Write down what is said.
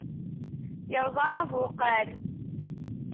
Yerẓa abuqal.